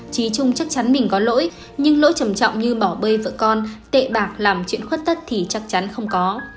trí trung chắc chắn mình có lỗi nhưng lỗi trầm trọng như bỏ bơi vợ con tệ bạc làm chuyện khuất tất thì chắc chắn không có